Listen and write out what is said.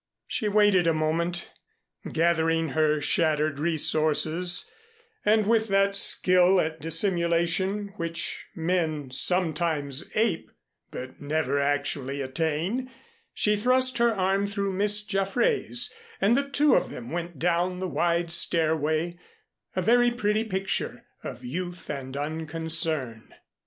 She waited a moment, gathering her shattered resources; and with that skill at dissimulation which men sometimes ape, but never actually attain, she thrust her arm through Miss Jaffray's and the two of them went down the wide stairway, a very pretty picture of youth and unconcern.